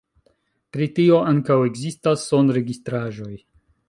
Pri tio ankaŭ ekzistas sonregistraĵoj.